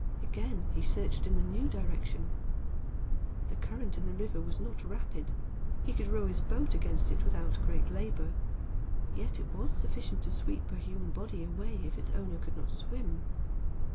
Again he searched in the new direction. The current in the river was not rapid. He could row his boat against it without great labor. Yet it was sufficient to sweep a human body away if its owner could not swim.